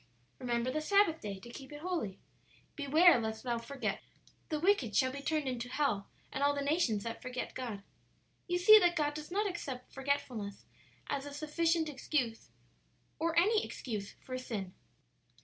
"'Remember the Sabbath day, to keep it holy.' "'Beware lest thou forget the Lord.' "'The wicked shall be turned into hell, and all the nations that forget God.' "You see that God does not accept forgetfulness as a sufficient excuse, or any excuse for sin."